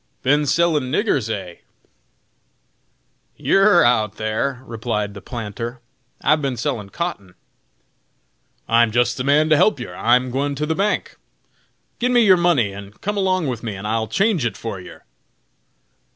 "Bin sellin' niggers, eh?" "You're out thar," replied the planter. "I've bin sellin' cotton." "I'm jist the man to help yer! I'm gwine to my bank. Gin me yer money, and come along with me and I'll change it for yer!"